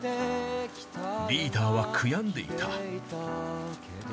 リーダーは悔やんでいた。